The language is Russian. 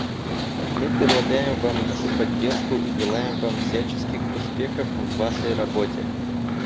Мы предлагаем Вам нашу поддержку и желаем Вам всяческих успехов в Вашей работе.